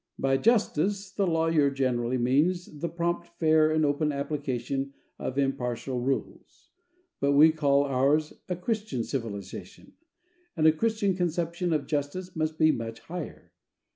By justice the lawyer generally means the prompt, fair, and open application of impartial rules; but we call ours a Christian civilization, and a Christian conception of justice must be much higher.